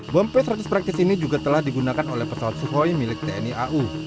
bom p seratus praktis ini juga telah digunakan oleh pesawat sukhoi milik tni au